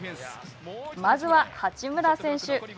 まずは八村選手。